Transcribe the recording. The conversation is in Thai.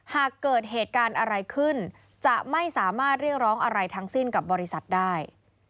หากเกิดเหตุการณ์อะไรขึ้นจะไม่สามารถเรียกร้องอะไรทั้งสิ้นกับบริษัทได้